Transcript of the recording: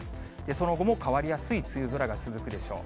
その後も変わりやすい梅雨空が続くでしょう。